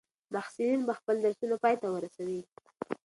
محصلین به خپل درسونه پای ته ورسوي.